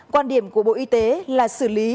quan điểm của bộ y tế là xử lý